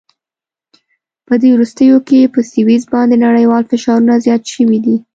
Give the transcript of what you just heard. په دې وروستیو کې په سویس باندې نړیوال فشارونه زیات شوي دي.